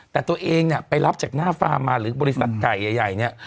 แต่ตัวเองเนี่ยไปรับจากหน้าฟาร์มมาหรือบริษัทไก่ใหญ่เนี่ย